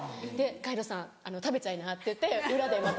「ガイドさん食べちゃいな」って言って裏でまた。